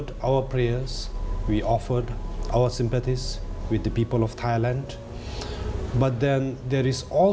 กับภารกิจของพระเจ้าพวกเราส่งโปรดภารกิจ